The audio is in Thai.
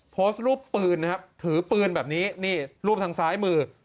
โพสต์รูปปืนนะครับถือปืนแบบนี้นี่รูปทางซ้ายมือ